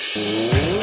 sampai jumpa lagi